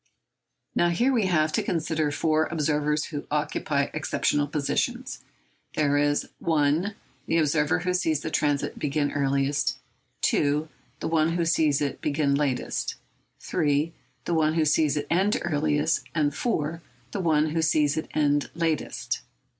Now, here we have had to consider four observers who occupy exceptional positions. There is (1) the observer who sees the transit begin earliest, (2) the one who sees it begin latest, (3) the one who sees it end earliest, and (4) the one who sees it end latest.